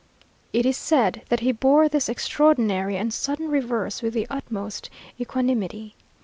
It is said that he bore this extraordinary and sudden reverse with the utmost equanimity.